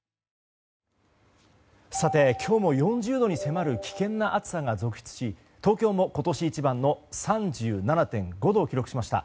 今日も４０度に迫る危険な暑さが続出し東京も今年一番の３７．５度を記録しました。